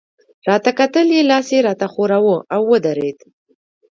راته کتل يې، لاس يې راته ښوراوه، او ودرېد.